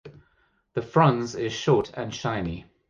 The frons is short and shiny.